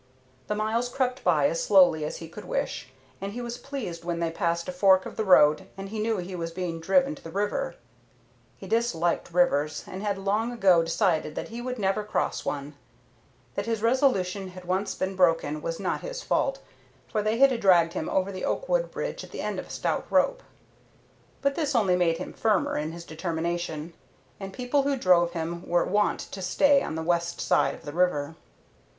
The miles crept by as slowly as he could wish, and he was pleased when they passed a fork of the road and he knew he was being driven to the river. He disliked rivers, and had long ago decided that he would never cross one. That his resolution had once been broken was not his fault, for they had dragged him over the Oakwood bridge at the end of a stout rope; but this only made him firmer in his determination, and people who drove him were wont to stay on the west side of the river.